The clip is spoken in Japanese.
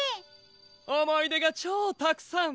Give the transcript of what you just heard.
おもいでがチョウたくさん！